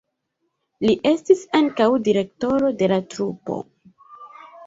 Li estis ankaŭ direktoro de la trupo.